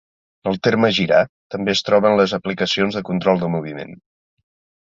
El terme "girar" també es troba en les aplicacions de control de moviment.